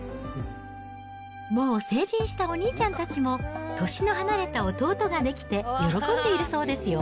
もう成人したお兄ちゃんたちも、年の離れた弟ができて喜んでいるそうですよ。